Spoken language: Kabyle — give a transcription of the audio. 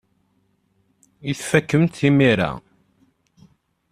I tfakem-t imir-a?